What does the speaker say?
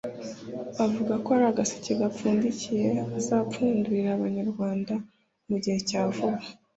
avuga ko ari agaseke gapfundikiye azapfundurira abanyarwanda mu gihe cya vuba